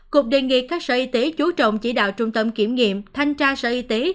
cục đề nghị các sở y tế chú trọng chỉ đạo trung tâm kiểm nghiệm thanh tra sở y tế